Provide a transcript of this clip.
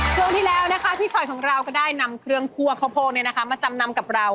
ช่วงที่แล้วนะคะพี่สอยของเราก็ได้นำเครื่องคั่วข้าวโพกมาจำนำกับเรา